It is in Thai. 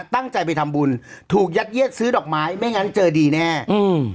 ตั้งใจไปทำบุญถูกยัดเยียดซื้อดอกไม้ไม่งั้นเจอดีแน่อืม